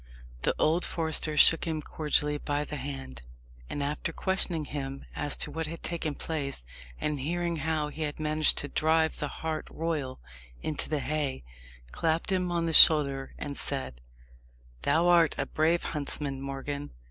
The old forester shook him cordially by the hand, and after questioning him as to what had taken place, and hearing how he had managed to drive the hart royal into the haye, clapped him on the shoulder and said, "Thou art a brave huntsman, Morgan.